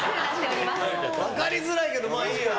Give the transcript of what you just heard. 分かりづらいけどまあいいや。